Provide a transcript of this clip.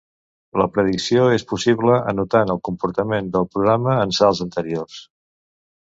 La predicció és possible anotant el comportament del programa en salts anteriors.